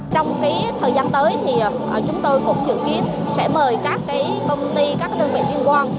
trong thời gian tới chúng tôi cũng dự kiến sẽ mời các công ty các đơn vị liên quan